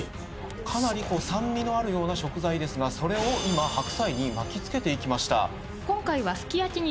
かなり酸味のあるような食材ですがそれを今白菜に巻きつけていきました